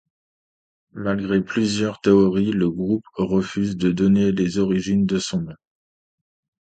Malgré plusieurs théories, le groupe refuse de donner les origines de son nom.